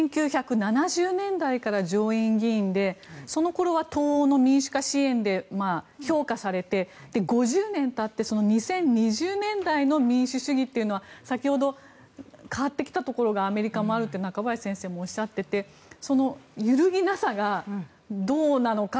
１９７０年代から上院議員でその頃は東欧の民主化支援で評価されて、５０年たって２０２０年代の民主主義というのは先ほど変わってきたところがアメリカもあると中林先生もおっしゃっていて揺るぎなさがどうなのか